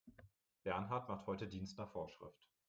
Bernhard macht heute Dienst nach Vorschrift.